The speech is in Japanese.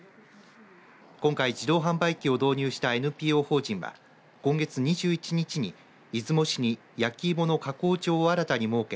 今回自動販売機を導入したＮＰＯ法人は今月２１日に出雲市に焼き芋の加工場を新たに設け